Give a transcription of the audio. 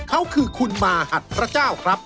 เขาคือคุณมาหัดพระเจ้าครับ